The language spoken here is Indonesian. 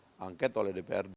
domennya angket oleh dprd